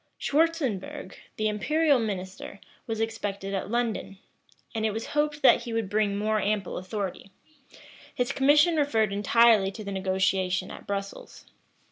Schwartzenbourg, the imperial minister, was expected at London; and it was hoped that he would bring more ample authority: his commission referred entirely to the negotiation at Brussels.